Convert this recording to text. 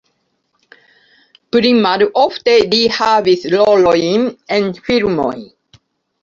Pli malofte li havis rolojn en filmoj.